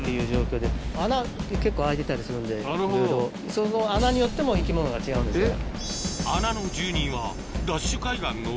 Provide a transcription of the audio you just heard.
その穴によっても生き物が違うんですね。と！